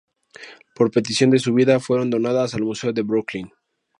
Por petición de su viuda, fueron donadas al Museo de Brooklyn.